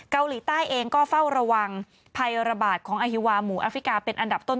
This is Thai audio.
เกาหลีใต้เองก็เฝ้าระวังภัยระบาดของอฮิวาหมู่อาฟริกาเป็นอันดับต้น